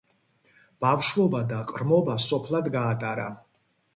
ბავშვობა და ყრმობა სოფლად გაატარა.